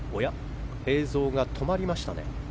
映像が止まりましたね。